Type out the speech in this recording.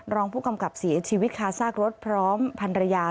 รองผู้กำกับเสียชีวิตคาซากรถพร้อมพันรยา